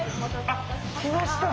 あっ来ました。